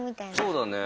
そうだね。